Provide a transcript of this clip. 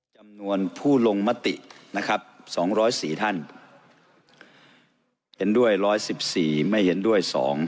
จำนวนผู้ลงมตินะครับสองร้อยสี่ท่านเห็นด้วยร้อยสิบสี่ไม่เห็นด้วยสอง